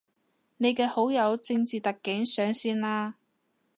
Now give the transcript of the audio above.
你嘅好友正字特警上線喇